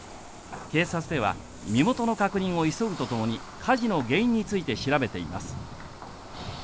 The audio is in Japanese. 警察では身元の確認を急ぐとともに火事の原因について調べています。